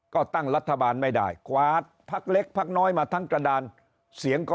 ก็ตั้งรัฐบาลไม่ได้กวาดพักเล็กพักน้อยมาทั้งกระดานเสียงก็